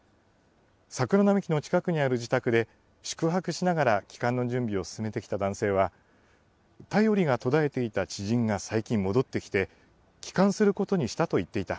桜並木の近くにある自宅で、宿泊しながら帰還の準備を進めてきた男性は、便りが途絶えていた知人が最近戻ってきて、帰還することにしたと言っていた。